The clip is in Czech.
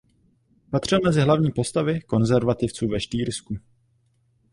Patřil mezi hlavní postavy konzervativců ve Štýrsku.